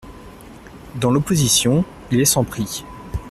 Dans l'opposition, il est sans prix.